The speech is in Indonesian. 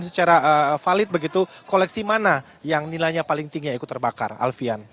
dan secara valid begitu koleksi mana yang nilainya paling tinggi yang ikut terbakar alfian